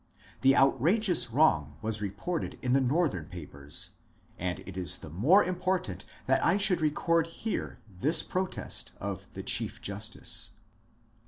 The outrageous wrong was reported in the Northern papers, and it is the more important that I should record here this protest of the Chief Justice.